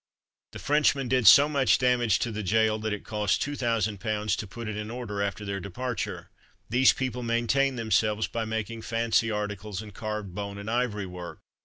The Frenchmen did so much damage to the gaol, that it cost 2000 pounds to put it in order after their departure. These people maintained themselves by making fancy articles, and carved bone and ivory work.